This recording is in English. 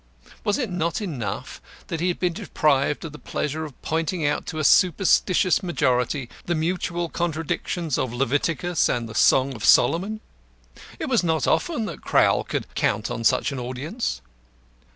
Was it not enough that he had been deprived of the pleasure of pointing out to a superstitious majority the mutual contradictions of Leviticus and the Song of Solomon? It was not often that Crowl could count on such an audience.